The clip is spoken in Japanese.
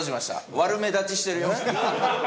悪目立ちしてるよ。